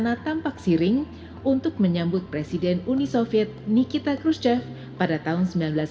karena tampak siring untuk menyambut presiden uni soviet nikita chruschev pada tahun seribu sembilan ratus sembilan puluh